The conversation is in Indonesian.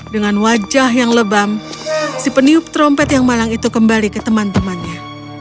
dengan wajah yang lebam si peniup trompet yang malang itu kembali ke teman temannya